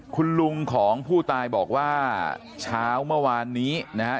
คุณลุงของผู้ตายบอกว่าเช้าเมื่อวานนี้นะฮะ